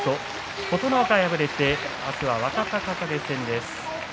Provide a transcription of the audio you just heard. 琴ノ若敗れて明日は若隆景戦です。